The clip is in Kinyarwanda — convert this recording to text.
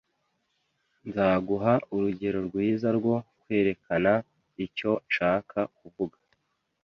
Nzaguha urugero rwiza rwo kwerekana icyo nshaka kuvuga.